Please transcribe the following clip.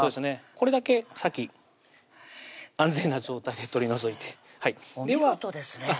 これだけ先安全な状態で取り除いてお見事ですね